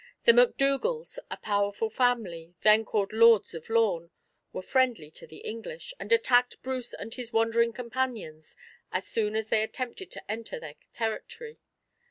The MacDougals, a powerful family, then called Lords of Lorn, were friendly to the English, and attacked Bruce and his wandering companions as soon as they attempted to enter their territory.